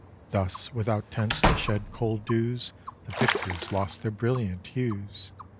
Thus without tents to shed cold dews, The pixies lost their brilliant hues.